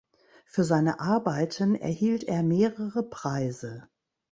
Für seine Arbeiten erhielt er mehrere Preise.